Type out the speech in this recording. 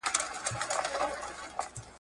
مشکل نه پيښيږي.